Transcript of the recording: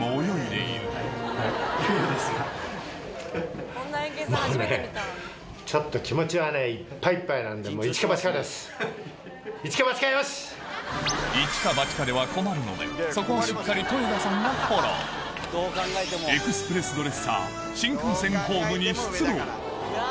「いちかばちか」では困るのでそこはしっかりエクスプレスドレッサー新幹線ホームに出動うわ！